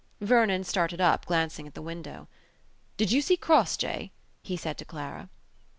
Vernon started up, glancing at the window. "Did you see Crossjay?" he said to Clara.